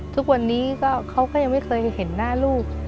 ทุกวันนี้เขาก็ยังไม่เคยเห็นหน้าลูก